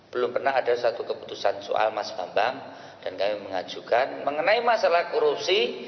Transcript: belum pernah ada satu keputusan soal mas bambang dan kami mengajukan mengenai masalah korupsi